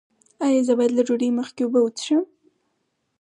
ایا زه باید له ډوډۍ مخکې اوبه وڅښم؟